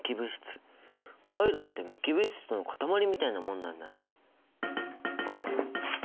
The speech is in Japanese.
カイロって無機物質の塊みたいなものなんだね！